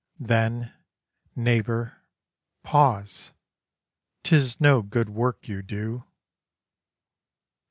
Then, neighbour! pause; 'tis no good work you do.